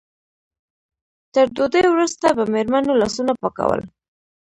تر ډوډۍ وروسته به مېرمنو لاسونه پاکول.